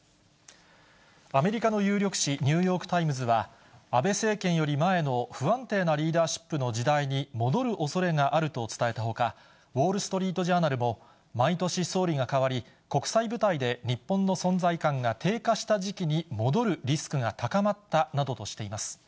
アメリカの有力紙、ニューヨークタイムズは、安倍政権より前の不安定なリーダーシップの時代に戻るおそれがあると伝えたほか、ウォール・ストリート・ジャーナルも毎年、総理が代わり、国際舞台で日本の存在感が低下した時期に戻るリスクが高まったなどとしています。